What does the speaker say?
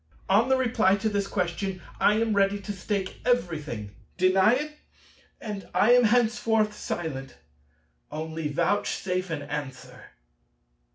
On the reply to this question I am ready to stake everything. Deny it, and I am henceforth silent. Only vouchsafe an answer.